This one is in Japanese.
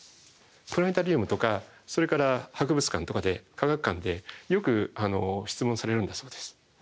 プラネタリウムとかそれから博物館とかで科学館でよく質問されるんだそうです。